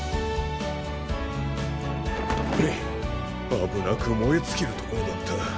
あぶなくもえつきるところだった。